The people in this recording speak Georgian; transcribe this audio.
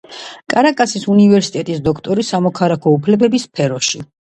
კარაკასის უნივერსიტეტის დოქტორი სამოქალაქო უფლებების სფეროში.